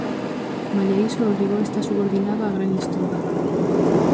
Malia iso, o rigor está subordinado á gran historia.